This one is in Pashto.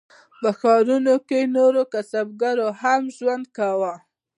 په ښارونو کې نورو کسبګرو هم ژوند کاوه.